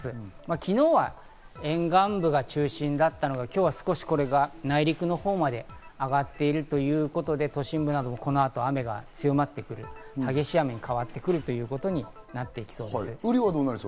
昨日は沿岸部が中心だったのが、今日は少しこれが内陸のほうまで上がっているということで、都心部などもこの後、雨が強まってくる、激しい雨に変わってくるということになっていきそうです。